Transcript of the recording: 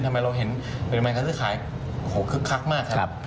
ทำไมเราเห็นปริมาณการซื้อขายคึกคักมากครับ